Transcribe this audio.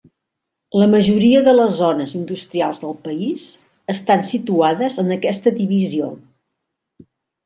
La majoria de les zones industrials del país estan situades en aquesta divisió.